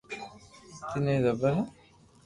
تني زبر ھي